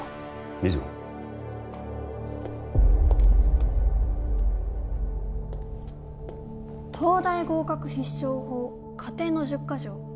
水野「東大合格必勝法家庭の１０か条」